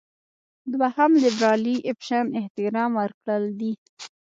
دوهم لېبرالي اپشن احترام ورکړل دي.